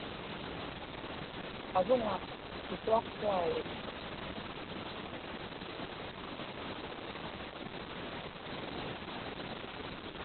avuŋa pisuaqtuaġluk